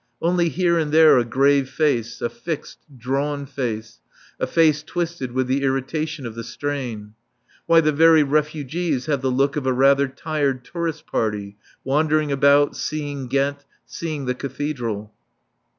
Only here and there a grave face, a fixed, drawn face, a face twisted with the irritation of the strain. Why, the very refugees have the look of a rather tired tourist party, wandering about, seeing Ghent, seeing the Cathedral.